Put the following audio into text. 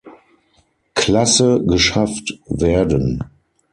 Klasse geschafft werden.